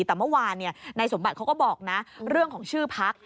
แต่เมื่อวานนายสมบัติเขาก็บอกนะเรื่องของชื่อพัก